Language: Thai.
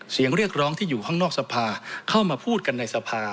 เสียงเรียกร้องที่อยู่ข้างนอกสภาเข้ามาพูดกันในสภา